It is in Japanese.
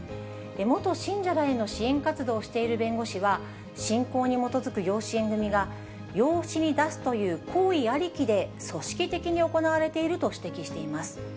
元信者らへの支援活動をしている弁護士は、信仰に基づく養子縁組みが養子に出すという行為ありきで組織的に行われていると指摘しています。